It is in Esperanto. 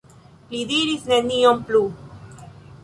Li diris nenion plu.